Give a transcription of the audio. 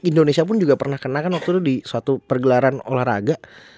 indonesia pun juga pernah kena kan waktu itu di suatu pergelaran olahraga